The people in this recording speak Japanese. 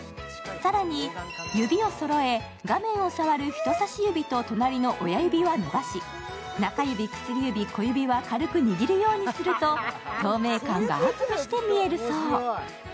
更に、指をそろえ、画面を触る人さし指と隣の親指は伸ばし、中指、薬指、小指は、軽く握るようにすると透明感がアップして見えるそう。